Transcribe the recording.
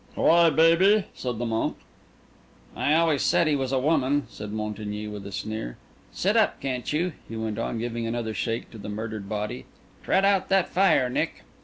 "Cry baby," said the monk. "I always said he was a woman," added Montigny with a sneer. "Sit up, can't you?" he went on, giving another shake to the murdered body. "Tread out that fire, Nick!"